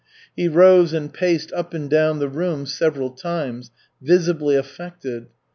He rose and paced up and down the room several times, visibly affected.